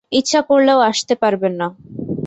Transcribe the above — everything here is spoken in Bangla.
ইচ্ছা করলেও আসতে পারবেন না।